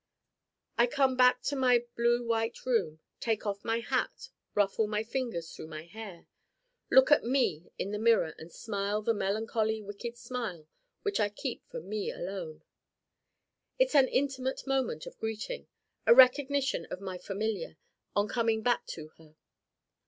I come back to my blue white room, take off my hat, ruffle my fingers through my hair, look at Me in the mirror and smile the melancholy wicked smile which I keep for Me alone. It's an intimate moment of greeting a recognition of my Familiar on coming back to her.